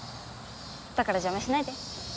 だから邪魔しないで。